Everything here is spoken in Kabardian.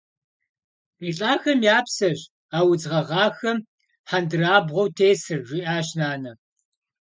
- Ди лӏахэм я псэщ а удз гъэгъахэм хьэндырабгъуэу тесыр, - жиӏащ нанэ.